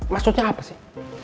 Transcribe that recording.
maksudnya apa sih